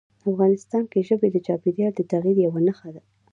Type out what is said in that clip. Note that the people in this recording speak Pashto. افغانستان کې ژبې د چاپېریال د تغیر یوه نښه ده.